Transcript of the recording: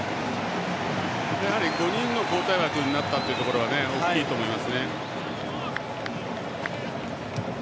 やはり５人の交代枠になったということは大きいと思います。